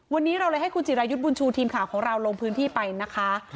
วันนี้เราเลยให้คุณจิรายุทธ์บุญชูทีมข่าวของเราลงพื้นที่ไปนะคะ